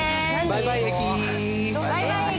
バイバイ益！